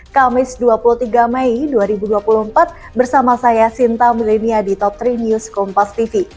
kamis dua puluh tiga mei dua ribu dua puluh empat bersama saya sinta milenia di top tiga news kompas tv